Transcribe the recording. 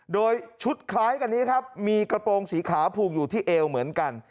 โดยชุดคล้ายกันนี้ครับมีกระโปรงสีขาวผูกอยู่ที่เอวเหมือนกัน